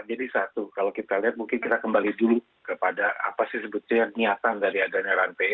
jadi satu kalau kita lihat mungkin kita kembali dulu kepada apa sih sebutnya niatan dari adanya ranpe